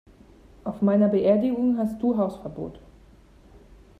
Auf meiner Beerdigung hast du Hausverbot!